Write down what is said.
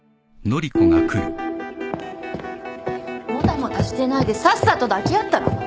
もたもたしてないでさっさと抱き合ったら？